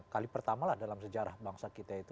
kali pertama lah dalam sejarah bangsa kita itu